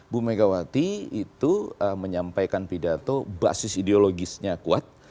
bu megawati itu menyampaikan pidato basis ideologisnya kuat